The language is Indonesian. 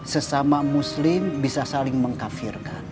sesama muslim bisa saling mengkafirkan